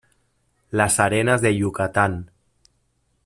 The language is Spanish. las arenas de Yucatán